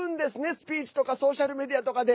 スピーチとかソーシャルメディアとかで。